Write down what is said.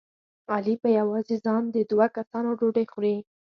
علي په یوازې ځان د دوه کسانو ډوډۍ خوري.